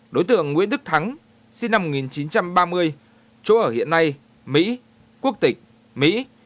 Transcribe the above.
đối tượng nguyễn đức thắng sinh năm một nghìn chín trăm ba mươi chỗ ở hiện nay mỹ quốc tịch mỹ